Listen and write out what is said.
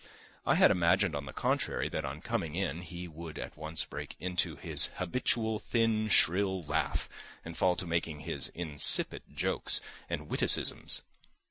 I had imagined, on the contrary, that on coming in he would at once break into his habitual thin, shrill laugh and fall to making his insipid jokes and witticisms.